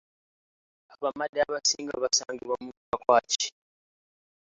Abamadi abasinga basangibwa mu Pakwach.